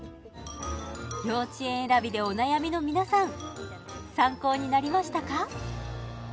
幼稚園選びでお悩みの皆さん参考になりましたか？